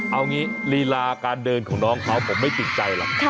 เอางี้ลีลาการเดินของน้องเขาผมไม่ติดใจหรอก